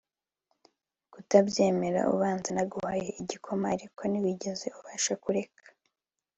kutabyemera ubanza, naguhaye igikoma ariko ntiwigeze ubasha kureka